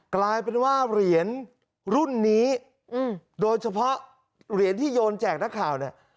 กลายเป็นว่าเหรียญรุ่นนี้โดยเฉพาะเหรียญที่โยนแจกนักข่าวเนี่ย